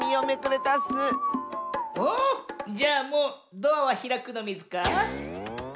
おじゃあもうドアはひらくのミズか？